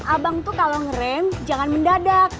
abang tuh kalau ngerem jangan mendadak